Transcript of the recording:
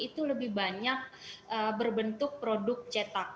itu lebih banyak berbentuk produk cetak